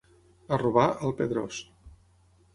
A robar, al Pedrós.